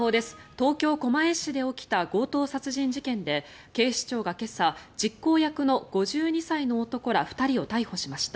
東京・狛江市で起きた強盗殺人事件で警視庁が今朝、実行役の５２歳の男ら２人を逮捕しました。